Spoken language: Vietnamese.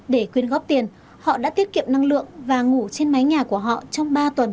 để quyên góp tiền họ đã tiết kiệm năng lượng và ngủ trên mái nhà của họ trong ba tuần